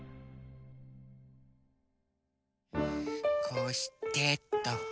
こうしてと。